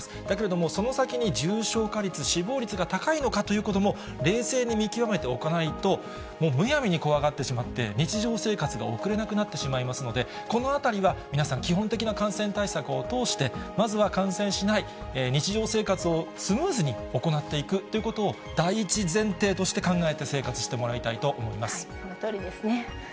だけれども、その先に重症化率、死亡率が高いのかということも冷静に見極めておかないと、むやみに怖がってしまって、日常生活が送れなくなってしまいますので、このあたりは皆さん、基本的な感染対策を通して、まずは感染しない、日常生活をスムーズに行っていくということを第一前提として考えそのとおりですね。